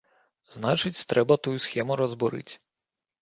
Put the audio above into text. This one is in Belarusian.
Значыць, трэба тую схему разбурыць.